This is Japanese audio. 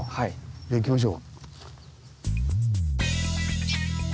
じゃあ行きましょう。